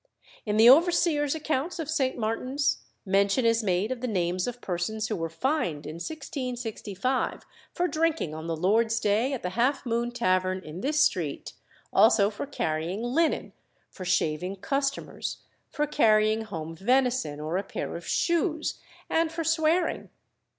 In the overseers' accounts of St. Martin's mention is made of the names of persons who were fined in 1665 for drinking on the Lord's Day at the Half Moon Tavern in this street, also for carrying linen, for shaving customers, for carrying home venison or a pair of shoes, and for swearing.